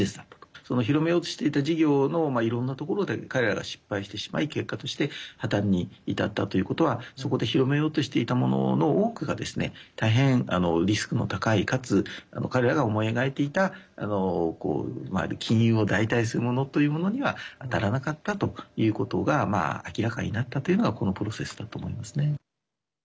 その広めようとしていた事業のいろんなところで彼らが失敗してしまい結果として破綻に至ったということはそこで広めようとしていたものの多くがですね大変リスクの高いかつ彼らが思い描いていた金融を代替するものというものには当たらなかったということが明らかになったというのがこのプロセスだと思いますね。